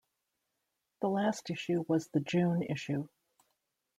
The last issue was the June issue.